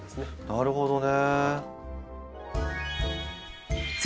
なるほどね。